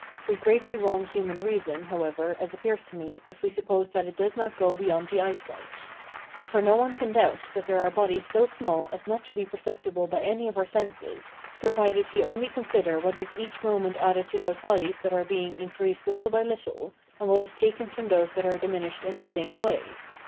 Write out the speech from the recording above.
[We greatly wrong human reason, however, as appears to me, if we suppose that it does not go beyond the eye sight]; for no one can doubt that there are bodies so small as not to be perceptible by any of our senses, provided he only consider what is each moment added to those bodies that are being increased little by little, and what is taken from those that are diminished in the same way.